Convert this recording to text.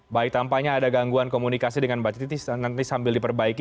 baik tampaknya ada gangguan komunikasi dengan mbak titi nanti sambil diperbaiki